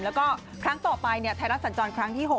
แล้วก็ครั้งต่อไปไทยรัฐสัญจรครั้งที่๖